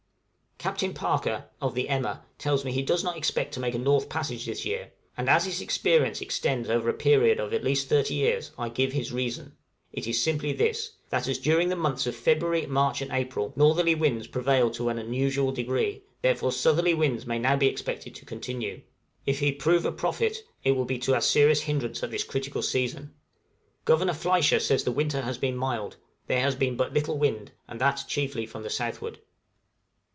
Captain Parker, of the 'Emma,' tells me he does not expect to make a north passage this year, and as his experience extends over a period of at least thirty years, I give his reason; it is simply this, that as during the months of February, March, and April northerly winds prevailed to an unusual degree, therefore southerly winds may now be expected to continue; if he prove a prophet, it will be to our serious hinderance at this critical season. Governor Fliescher says the winter has been mild; there has been but little wind, and that chiefly from the southward.